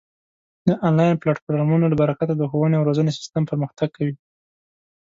د آنلاین پلتفورمونو له برکته د ښوونې او روزنې سیستم پرمختګ کوي.